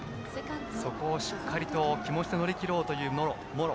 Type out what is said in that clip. そこをしっかりと気持ちで乗り切ろうという茂呂。